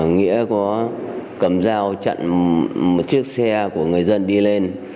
nghĩa có cầm dao chặn một chiếc xe của người dân đi lên